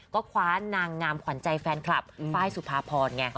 ก็คว้านางงามขวัญใจแฟนคลับไฟล์สุภาพรไง